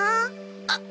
あっ。